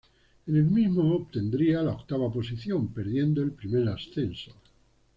En el mismo obtendría la octava posición, perdiendo el primer ascenso.